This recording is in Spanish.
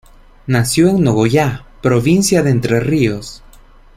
Nació en Nogoyá, provincia de Entre Ríos.